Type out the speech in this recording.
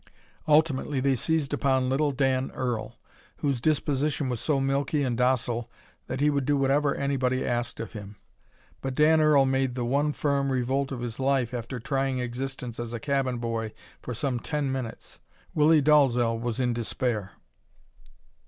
Ultimately they seized upon little Dan Earl, whose disposition was so milky and docile that he would do whatever anybody asked of him. But Dan Earl made the one firm revolt of his life after trying existence as cabin boy for some ten minutes. Willie Dalzel was in despair.